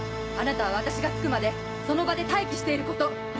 あなたは私が着くまでその場で待機していること！